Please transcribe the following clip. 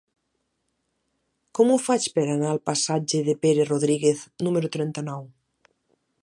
Com ho faig per anar al passatge de Pere Rodríguez número trenta-nou?